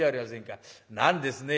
何ですね